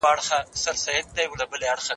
هوښیار خلک خپلو ژمنو ته تل وفادار وي.